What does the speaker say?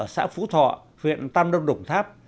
ở xã phú thọ huyện tam đông đồng tháp